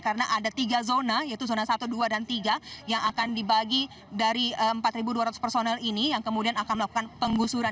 karena ada tiga zona yaitu zona satu dua dan tiga yang akan dibagi dari empat dua ratus personil ini yang kemudian akan melakukan penggusuran